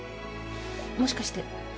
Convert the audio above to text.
もしかして。